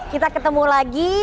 kita ketemu lagi